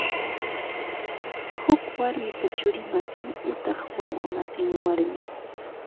Huk warmipa churi masin utaq wawa masin warmi